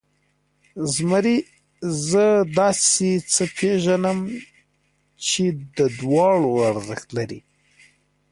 زمري، زه داسې څه پېژنم چې د دواړو ارزښت لري.